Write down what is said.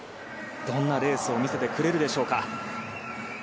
どんなレースを見せてくれるでしょうか。